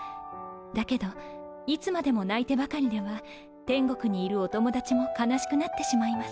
だけどいつまでも泣いてばかりでは天国にいるお友達も悲しくなってしまいます。